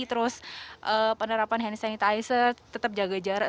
terus penerapan hand sanitizer tetap jaga jarak